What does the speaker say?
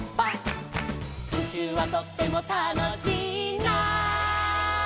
「うちゅうはとってもたのしいな」